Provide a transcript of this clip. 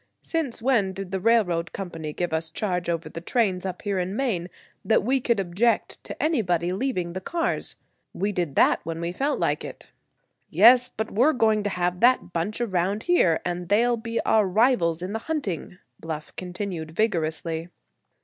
"Since when did the railroad company give us charge over the trains up here in Maine, that we could object to anybody leaving the cars? We did that when we felt like it." "Yes, but we're going to have that bunch around here, and they'll be our rivals in the hunting," Bluff continued vigorously.